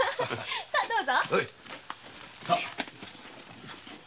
さどうぞ。